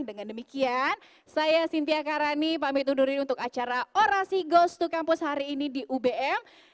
dengan demikian saya cynthia karani pamit undurin untuk acara orasi goes to campus hari ini di ubm